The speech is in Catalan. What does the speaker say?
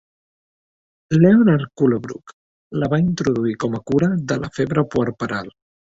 Leonard Colebrook la va introduir com a cura de la febre puerperal.